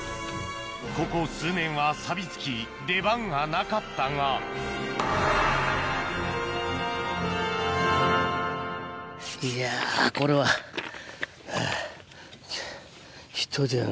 ここ数年はさびつき出番がなかったがいやこれははぁ。